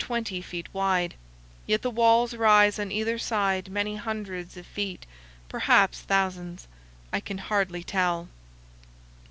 271 much, being but 15 or 20 feet wide; yet the walls rise on either side many hundreds of feet, perhaps thousands; I can hardly tell.